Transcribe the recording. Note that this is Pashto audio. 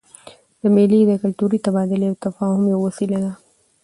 مېلې د کلتوري تبادلې او تفاهم یوه وسیله ده.